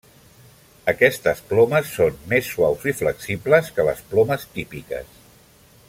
Aquestes plomes són més suaus i flexibles que les plomes típiques.